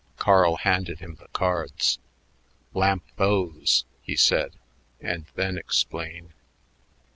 Carl handed him the cards. "Lamp those," he said, "and then explain.